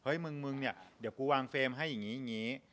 เฮ้ยมึงเนี่ยเดี๋ยวกูวางเฟรมให้อย่างงี้